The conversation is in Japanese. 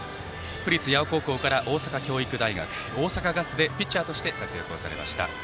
府立八尾高校から大阪教育大学大阪ガスでピッチャーとして活躍をされました。